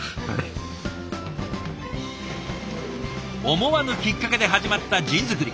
思わぬきっかけで始まったジン作り。